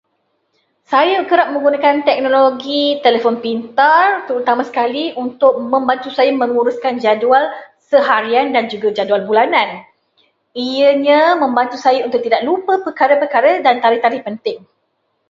Saya kerap menggunakan teknologi telefon pintar, terutama sekali untuk membantu saya menguruskan jadual seharian dan juga jadual bulanan. Ianya membantu saya untuk tidak lupa perkara-perkara atau tarikh-tarikh penting.